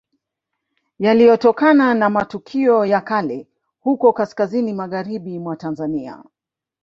Yaliyotokana na matukio ya kale huko kaskazini magharibi mwa Tanzania